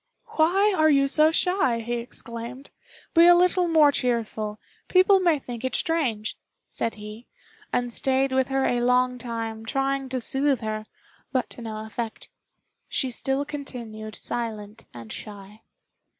"Why are you so shy?" he exclaimed; "be a little more cheerful people may think it strange," said he, and stayed with her a long time trying to soothe her; but to no effect she still continued silent and shy.